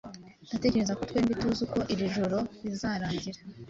Ndatekereza ko twembi tuzi uko iri joro rizarangira